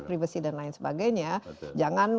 privacy dan lain sebagainya jangan